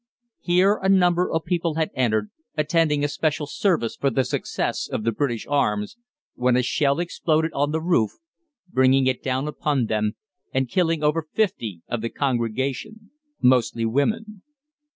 Here a number of people had entered, attending a special service for the success of the British arms, when a shell exploded on the roof, bringing it down upon them and killing over fifty of the congregation, mostly women.